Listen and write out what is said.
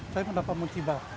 saya mendapatkan muciba